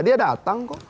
dia datang kok